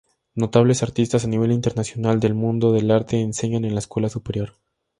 Notables artistas a nivel internacional del mundo del arte enseñan en la Escuela Superior.